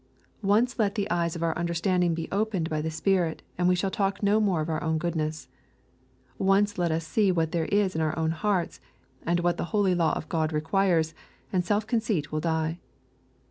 Once let the eyes of our understanding be^ened by the Spirit, and we shall talk no more of our own goodness. Once let us see what there is in our own hearts, and what the holy law of God requires, and self conceit will die.